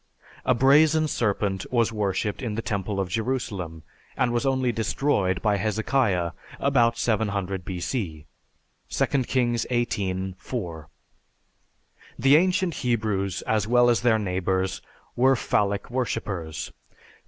A brazen serpent was worshiped in the temple of Jerusalem, and was only destroyed by Hezekiah about 700 B.C. (2 Kings XVIII, 4). The ancient Hebrews, as well as their neighbors, were phallic worshipers.